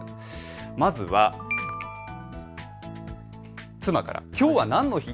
まずは妻から、きょうは何の日？